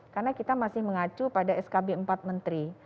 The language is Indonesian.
karena kita masih mengacu pada skb empat menteri